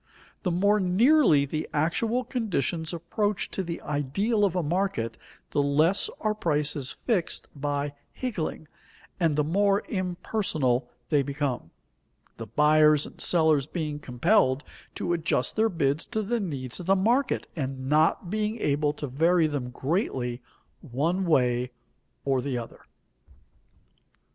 The more nearly the actual conditions approach to the ideal of a market, the less are prices fixed by higgling, and the more impersonal they become, the buyers and sellers being compelled to adjust their bids to the needs of the market, and not being able to vary them greatly one way or the other.